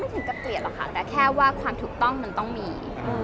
ถึงกับเกลียดหรอกค่ะแต่แค่ว่าความถูกต้องมันต้องมี